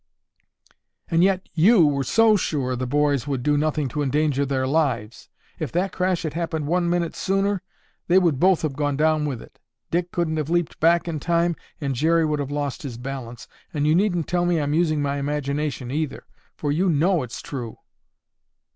"And yet you were so sure the boys would do nothing to endanger their lives. If that crash had happened one minute sooner, they would both have gone down with it. Dick couldn't have leaped back in time, and Jerry would have lost his balance, and you needn't tell me I'm using my imagination, either, for you know it's true."